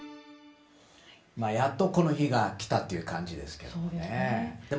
やっと、この日が来たという感じですけども。